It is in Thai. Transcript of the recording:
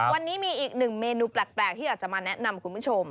วันนี้มีอีกหนึ่งเมนูแปลกที่อยากจะมาแนะนำคุณผู้ชม